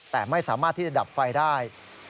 แต่ไม่สามารถที่จะดับไฟได้